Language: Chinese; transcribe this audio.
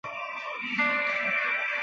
国际翻译工作者联合会